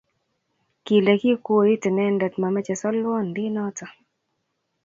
Kile ki kuoit inende mameche solwondi noto